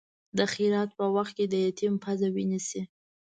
د خیرات په وخت کې د یتیم پزه وینې شي.